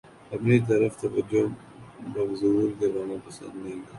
اپنی طرف توجہ مبذول کروانا پسند نہیں کرتا